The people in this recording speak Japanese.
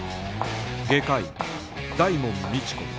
外科医大門未知子